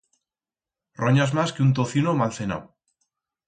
Ronyas mas que un tocino mal cenau.